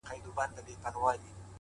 عجبه حيراني ده عجب غلي يو، جانانه